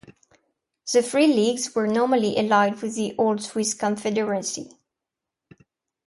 The Three Leagues were normally allied with the Old Swiss Confederacy.